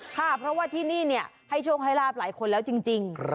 ค่ะเพราะว่าที่นี่ให้โชคให้ลาบหลายคนแล้วจริง